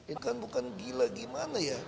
ini kan bukan gila gimana ya